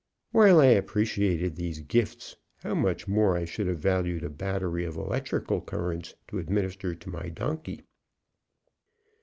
While I appreciated these gifts, how much more I should have valued a battery of electrical currents to administer to my donkey.